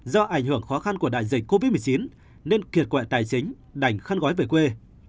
do ảnh hưởng khó khăn của đại dịch covid một mươi chín nên kiệt quẹ tài chính đành khăn gói về quê